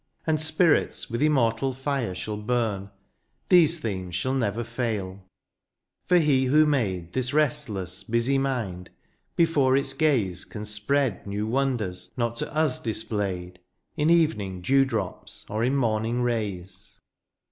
And spirits with immortal fire shall bum. These themes shall never fail : for He who made This restless, busy mind, before its gaze Can spread new wonders not to ils displayed, In evening dew drops, or in morning rays.